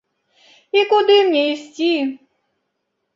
І куды мне ісці?